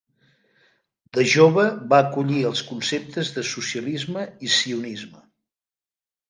De jove va acollir els conceptes de socialisme i sionisme.